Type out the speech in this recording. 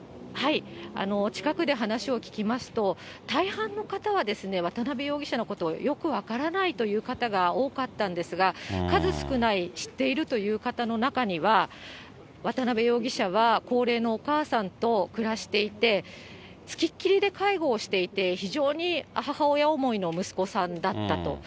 近くで話を聞きますと、大半の方は渡辺容疑者のことをよく分からないという方が多かったんですが、数少ない知っているという方の中には、渡辺容疑者は高齢のお母さんと暮らしていて、付きっきりで介護をしていて、非常に母親思いの息子さんだったと。